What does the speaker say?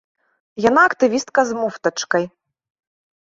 Яна актывістка з муфтачкай.